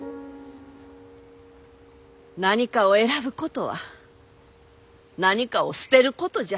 何かを選ぶことは何かを捨てることじゃ。